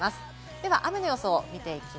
では雨の予想です。